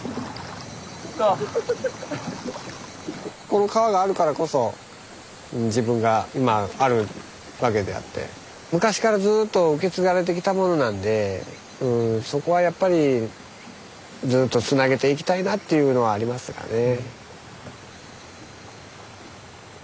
この川があるからこそ自分が今あるわけであって昔からずっと受け継がれてきたものなんでそこはやっぱりずっとつなげていきたいなっていうのはありますかね。